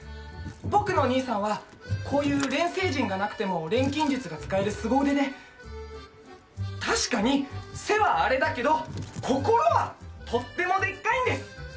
僕の兄さんはこういう錬成陣がなくても錬金術が使えるすご腕で確かに背はあれだけど心はとってもでっかいんです！